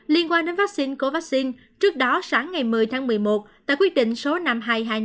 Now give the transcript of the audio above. liên quan đến vaccine co vaccine trước đó sáng ngày một mươi tháng một mươi một tại quyết định số năm hai hai năm